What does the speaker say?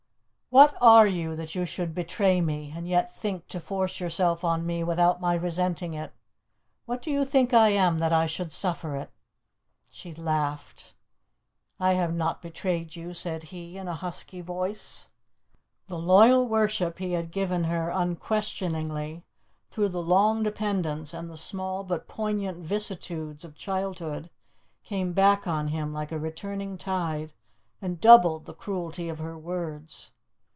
"What are you that you should betray me, and yet think to force yourself on me without my resenting it? What do you think I am that I should suffer it?" She laughed. "I have not betrayed you," said he in a husky voice. The loyal worship he had given her unquestioning through the long dependence and the small but poignant vicissitudes of childhood came back on him like a returning tide and doubled the cruelty of her words.